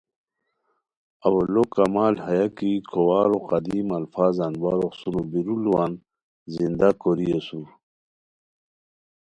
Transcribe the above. اولو کمال ہیہ کی کھوارو قدیم الفاظان وا روخڅونو بیرو ُلوان زندہ کوری اسور